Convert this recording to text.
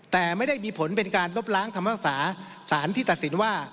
แต่ไม่ได้มีผลเป็นการลบล้างคำภาษาสารที่ตัดสินว่า